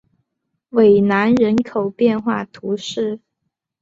韦南人口变化图示